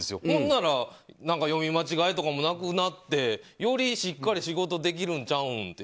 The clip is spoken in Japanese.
ほんなら読み間違えとかもなくなってよりしっかり仕事ができるんちゃうん？